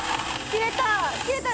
切れた。